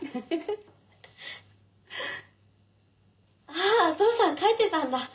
あっお父さん帰ってたんだ。